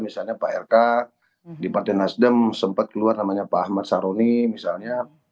misalnya pak rk di partai nasdem sempat keluar namanya pak ahmad saroni misalnya